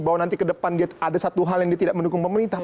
bahwa nanti ke depan dia ada satu hal yang dia tidak mendukung pemerintah